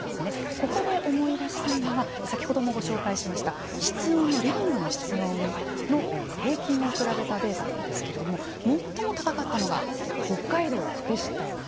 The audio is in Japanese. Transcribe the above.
ここで思い出したいのが先ほどもご紹介しましたリビングの室温の平均を比べたデータなんですけれども最も高かったのが北海道でしたよね。